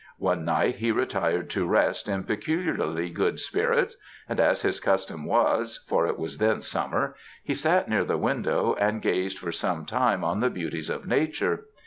One night he retired to rest in peculiarly good spirits, and as his custom was (for it was then summer) he sat near the window and gazed for some time on the beauties of nature.